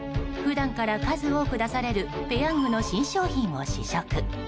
普段から数多く出されるペヤングの新商品を試食。